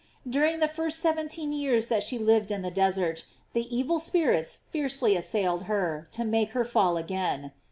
During the first seventeen years that she lived in the desert, the evil spirits fiercely assailed her, to make her fall again.